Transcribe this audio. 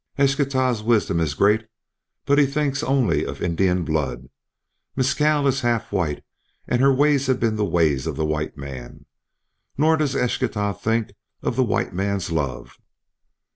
"Eschtah's wisdom is great, but he thinks only of Indian blood. Mescal is half white, and her ways have been the ways of the white man. Nor does Eschtah think of the white man's love."